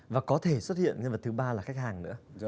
và có thể xuất hiện cái vật thứ ba là khách hàng nữa